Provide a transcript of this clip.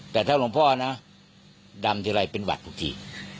แต่ถ้าหลวงพ่อนะดำทีไรเป็นหวัดทุกที